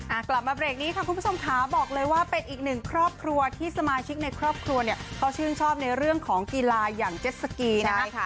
กลับมาเบรกนี้ค่ะคุณผู้ชมค่ะบอกเลยว่าเป็นอีกหนึ่งครอบครัวที่สมาชิกในครอบครัวเนี่ยเขาชื่นชอบในเรื่องของกีฬาอย่างเจ็ดสกีนะคะ